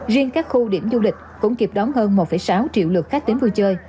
riêng các khu điểm du lịch cũng kịp đón hơn một sáu triệu lượt khách đến vui chơi